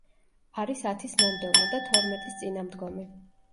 არის ათის მომდევნო და თორმეტის წინამდგომი.